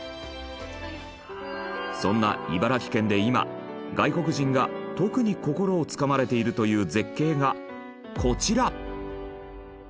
そんな茨城県で今外国人が特に心をつかまれているという絶景がこちら。